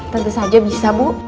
tentu saja bisa bu